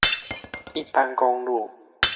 一般公路